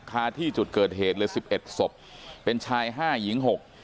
คาที่จุดเกิดเหตุเลยสิบเอ็ดศพเป็นชายห้าหญิงหก